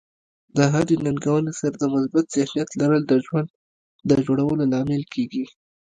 د هرې ننګونې سره د مثبت ذهنیت لرل د ژوند د جوړولو لامل کیږي.